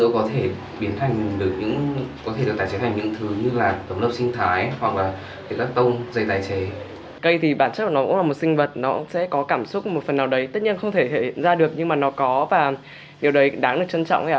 cây thì bản chất của nó cũng là một sinh vật nó sẽ có cảm xúc một phần nào đấy tất nhiên không thể ra được nhưng mà nó có và điều đấy đáng được trân trọng hay là